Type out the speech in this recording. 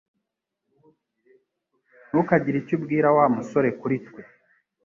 Ntukagire icyo ubwira Wa musore kuri twe